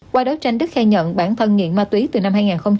qua đối tranh đức khai nhận bản thân nghiện ma túy từ năm hai nghìn hai mươi